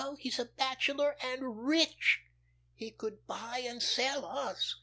He's a bachelor, and rich! He could buy and sell us.